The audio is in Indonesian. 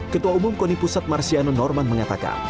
ketua umum koni pusat marsiano norman mengatakan